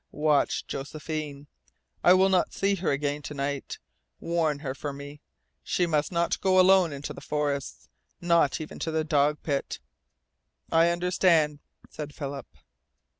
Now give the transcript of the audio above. Watch Josephine. I will not see her again to night. Warn her for me. She must not go alone in the forests not even to the dog pit." "I understand," said Philip.